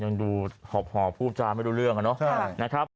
ยังดูหอบผู้ชายไม่รู้เรื่องนะครับ